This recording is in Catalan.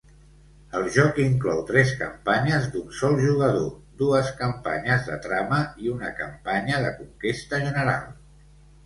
El joc inclou tres campanyes d'un sol jugador, dues campanyes de trama i una campanya de conquesta general.